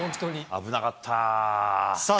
危なかったぁ。